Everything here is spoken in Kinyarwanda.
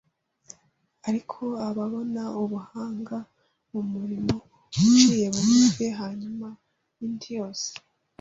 Ariko ababona ubuhanga mu murimo uciye bugufi hanyuma y’indi yose